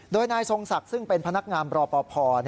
โดยนายทรงศักดิ์ซึ่งเป็นพนักงานรอปภ